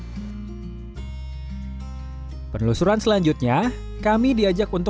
kami diajak untuk menelusuri ruang terbuka hijau di jalan patimura jakarta selatan